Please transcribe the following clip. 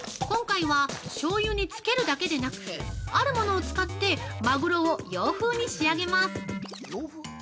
今回は、しょうゆに漬けるだけでなくあるものを使ってマグロを洋風に仕上げます！